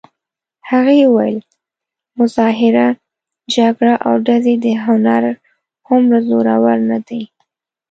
هغې ویل: مظاهره، جګړه او ډزې د هنر هومره زورور نه دي.